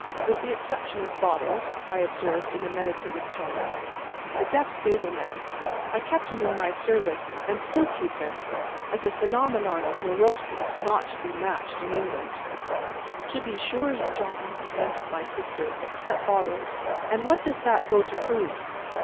"With the exception of Bottles," I observed, in a meditative tone. (The deaf stable man. I kept him in my service, and still keep him, as a phenomenon of moroseness not to be matched in England.) "To be sure, John," assented my sister; "except Bottles. And what does that go to prove?